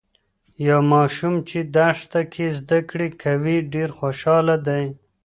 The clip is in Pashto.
یو ماشوم چې دښته کې زده کړې کوي، ډیر خوشاله دی.